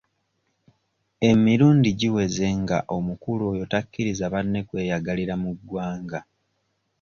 Emirundi giweze nga omukulu oyo takkiriza banne kweyagalira mu ggwanga.